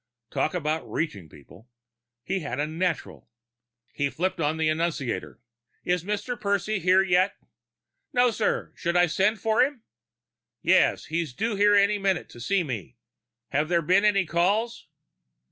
Talk about reaching people! He had a natural! He flipped on the annunciator. "Is Mr. Percy here yet?" "No, sir. Should I send for him?" "Yes. He's due here any minute to see me. Have there been any calls?"